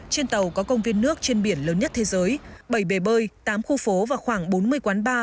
trên tàu có công viên nước trên biển lớn nhất thế giới bảy bể bơi tám khu phố và khoảng bốn mươi quán bar